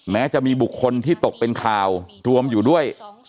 แม้จะมีบุคคลที่ตกเป็นข่าวรวมอยู่ด้วย